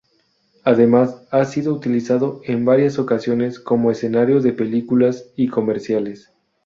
Además ha sido utilizado, en varias ocasiones, como escenario de películas y comerciales.